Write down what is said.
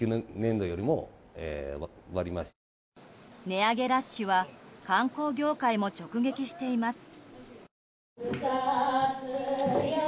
値上げラッシュは観光業界も直撃しています。